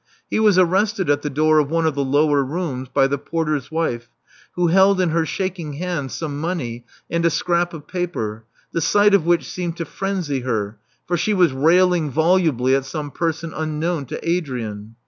He was arrested at the door of one of the lower rooms by the porter's wife, who held in her shaking hand some money and a scrap of paper, the sight of ^which seemed to frenzy her; for she was railing volubly at some person unknown to Adrian.